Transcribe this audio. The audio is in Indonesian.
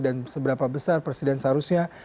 dan seberapa besar presiden seharusnya